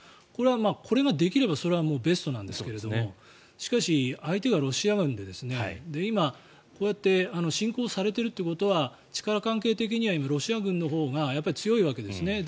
これは、これができればそれはベストなんですがしかし、相手がロシア軍で今、こうやって侵攻されているということは力関係的にはロシア軍のほうが強いわけですね。